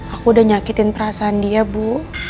aku udah nyakitin perasaan dia bu